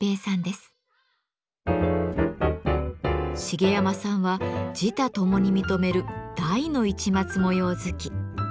茂山さんは自他共に認める大の市松模様好き。